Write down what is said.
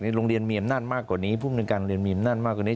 โรงเรียนมีอำนาจมากกว่านี้ภูมิในการเรียนมีอำนาจมากกว่านี้